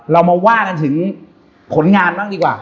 เรามาว่ากันถึงผลงานบ้างดีกว่า